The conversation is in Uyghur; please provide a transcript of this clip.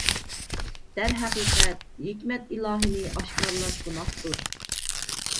دەرھەقىقەت، ھېكمەت ئىلاھىنى ئاشكارىلاش گۇناھتۇر.